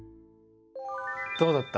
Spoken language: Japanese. どうだった？